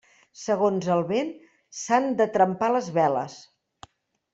Segons el vent s'han de trempar les veles.